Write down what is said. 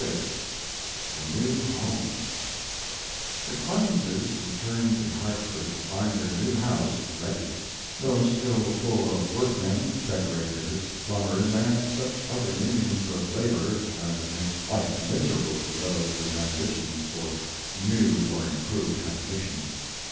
XCVI. THE NEW HOME The Clemenses returned to Hartford to find their new house "ready," though still full of workmen, decorators, plumbers, and such other minions of labor as make life miserable to those with ambitions for new or improved habitations.